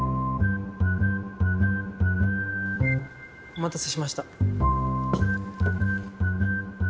お待たせしました。